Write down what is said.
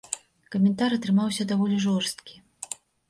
Каментар атрымаўся даволі жорсткі.